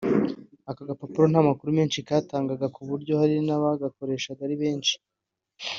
“Aka gapapuro nta makuru menshi katangaga ku buryo hari n’abagakoreshaga ari benshi